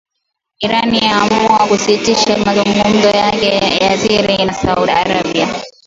Iran yaamua kusitisha mazungumzo yake ya siri na Saudi Arabia